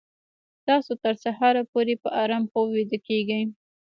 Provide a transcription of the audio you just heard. تاسو تر سهاره پورې په ارام خوب ویده کیږئ